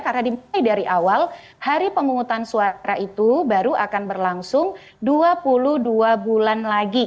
karena dimulai dari awal hari pemungutan suara itu baru akan berlangsung dua puluh dua bulan lagi